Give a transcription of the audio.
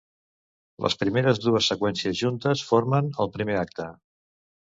Les primeres dues seqüències juntes formen el primer acte.